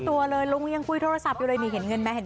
ตังคอยอยู่ข้างหลัง